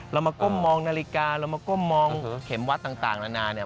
เรามาก้มมองนาฬิกาเรามาก้มมองเข็มวัดต่างนานาเนี่ย